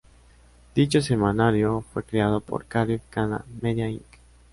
Dicho semanario fue creado por Carib-Cana Media Inc.